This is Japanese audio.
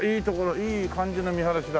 いい感じの見晴らしだ！